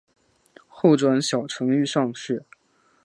后转小承御上士。